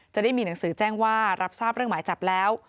จะได้มีหนังสือแจ้งว่ารับทราบเรื่องหมายจับแล้ว